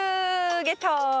ゲットー。